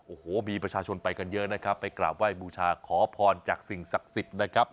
โอ้โหมีประชาชนไปกันเยอะนะครับไปกราบไหว้บูชาขอพรจากสิ่งศักดิ์สิทธิ์นะครับ